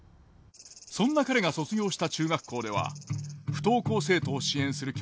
そんな彼が卒業した中学校では不登校生徒を支援する教室